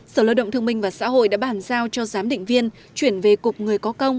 sở lợi động thương minh và xã hội đã bàn giao cho giám định viên chuyển về cục người có công